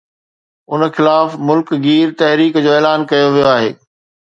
ان خلاف ملڪ گير تحريڪ جو اعلان ڪيو ويو آهي